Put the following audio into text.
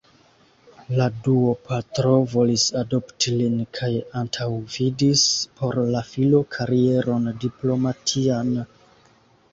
La duopatro volis adopti lin kaj antaŭvidis por la filo karieron diplomatian.